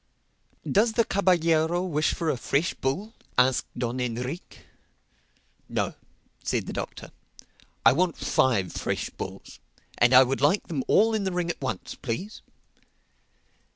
"Does the caballero wish for a fresh bull?" asked Don Enrique. "No," said the Doctor, "I want five fresh bulls. And I would like them all in the ring at once, please."